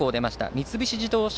三菱自動車